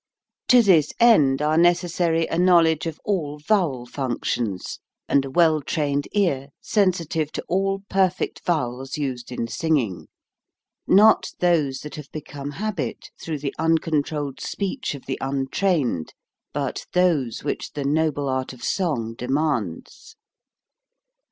To this end are necessary a knowledge 70 HOW TO SING of all vowel functions, and a well trained ear sensitive to all perfect vowels used in singing ; not those that have become habit through the uncontrolled speech of the untrained but those which the noble art of song demands.